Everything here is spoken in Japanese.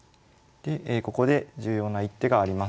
でここで重要な一手があります。